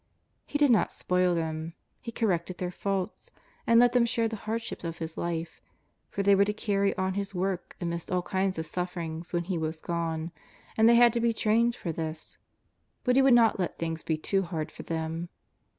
He did not spoil them. He corrected their faults and let them share the hardships of His Life, for they were to carrv on His work amidst all kinds of suffer ings when He was gone, and they had to be trained for this. But He would not let things be too hard for them.